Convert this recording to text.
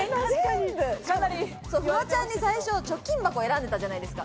フワちゃんに最初、貯金箱選んでたじゃないですか。